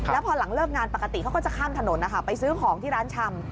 แล้วพอหลังเลิกงานปกติเขาก็จะข้ามถนนนะคะไปซื้อของที่ร้านชำ